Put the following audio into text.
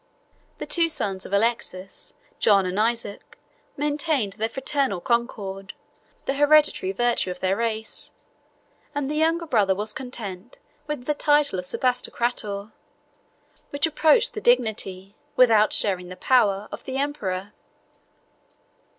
The two sons of Alexius, John and Isaac, maintained the fraternal concord, the hereditary virtue of their race, and the younger brother was content with the title of Sebastocrator, which approached the dignity, without sharing the power, of the emperor.